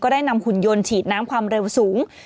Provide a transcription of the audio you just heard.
ได้นำหุ่นยนต์ฉีดน้ำความเร็วสูง